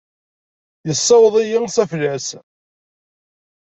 Yessaweḍ-iyi s aflas.